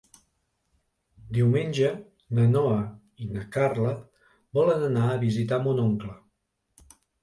Diumenge na Noa i na Carla volen anar a visitar mon oncle.